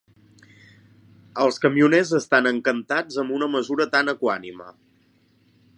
Els camioners estan encantats amb una mesura tan equànime.